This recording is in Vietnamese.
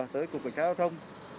tới cục cảnh sát giao thông